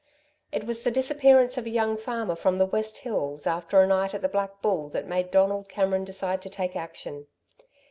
It was the disappearance of a young farmer from the West Hills after a night at the Black Bull that made Donald Cameron decide to take action.